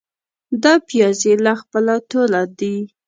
دا پیاز يې له خپله توله دي.